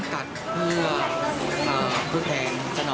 ตัดเพื่อที่คุณแผ่น